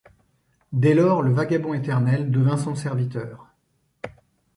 Dès lors le vagabond éternel devint son serviteur.